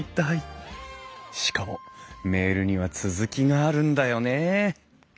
しかもメールには続きがあるんだよねえ。